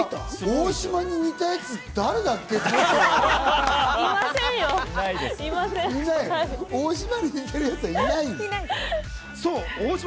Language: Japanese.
大島に似たやつ誰だっけ？